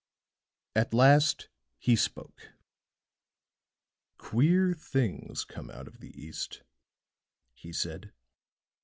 At last he spoke. "Queer things come out of the East," he said.